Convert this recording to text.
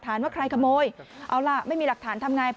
สองสามีภรรยาคู่นี้มีอาชีพ